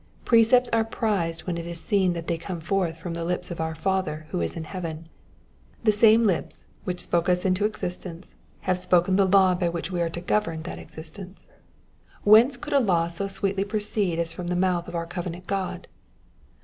Precepts are prized when it is seen that they come forth from the lips of our Father who 18 in heaven. The same lips which spoke us into existence have spoken the law by which we are to govern that existence. Whence could a law so sweetly proceed as from the mouth of our covenant God